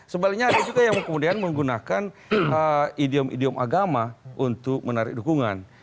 sebaliknya ada juga yang kemudian menggunakan idiom idiom agama untuk menarik dukungan